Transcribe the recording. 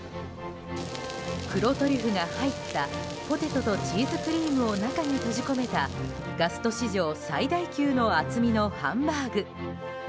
黒トリュフが入ったポテトとチーズクリームを中に閉じ込めたガスト史上最大級の厚みのハンバーグ。